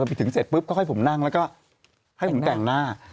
ไปถึงเสร็จปุ๊บค่อยผมนั่งแล้วก็ให้ผมแต่งหน้า